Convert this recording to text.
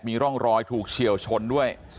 มีร่องรอยถูกเฉียวชนด้วย